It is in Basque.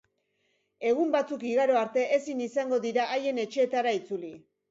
Egun batzuk igaro arte ezin izango dira haien etxeetara itzuli.